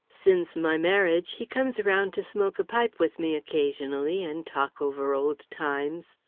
Since my marriage, he comes around to smoke a pipe with me occasionally and talk over old times.